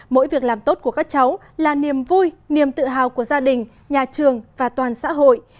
mỗi việc làm tốt của các cháu là niềm vui niềm tự hào của gia đình nhà trường và toàn xã hội